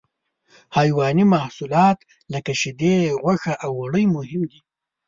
حیواني محصولات لکه شیدې، غوښه او وړۍ مهم دي.